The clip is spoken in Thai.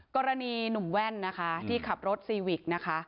กรณีหนุ่มแว่นที่ขับรถซีวิก